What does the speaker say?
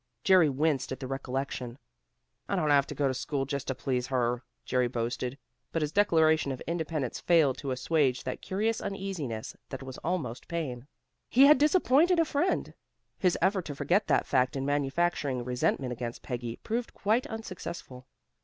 Jerry winced at the recollection. "I don't have to go to school just to please her," Jerry boasted, but his declaration of independence failed to assuage that curious uneasiness that was almost pain. He had disappointed a friend. His effort to forget that fact in manufacturing resentment against Peggy proved quite unsuccessful.